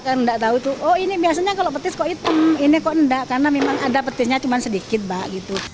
karena nggak tahu tuh oh ini biasanya kalau petis kok hitam ini kok enggak karena memang ada petisnya cuma sedikit mbak gitu